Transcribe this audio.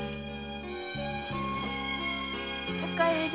お帰り。